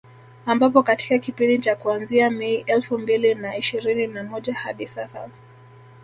Ambapo katika kipindi cha kuanzia Mei elfu mbili na ishirini na moja hadi sasa